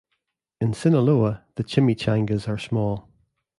In Sinaloa, the chimichangas are small.